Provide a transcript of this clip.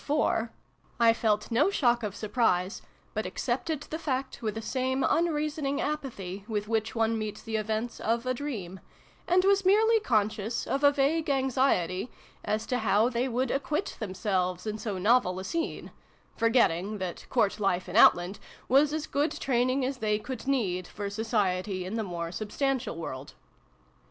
before, I felt no shock of surprise, but accepted the fact with the same unreasoning apathy with which one meets the events of a dream, and was merely conscious of a vague anxiety as to how they would acquit themselves in so novel a scene forgetting that Court life in Outland was as good training as they could need for Society in the more substantial world.